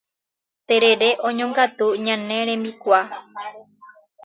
Terere oñongatu ñane rembikuaa